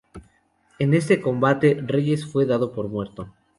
En este combate, Reyes fue dado por muerto.